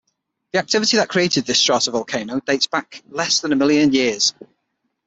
The activity that created this stratovolcano dates back less than a million years.